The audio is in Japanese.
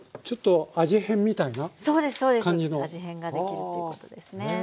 味変ができるということですね。